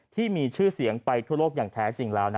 ที่มีชื่อเสียงไปทั่วโลกอย่างแท้จริงแล้ว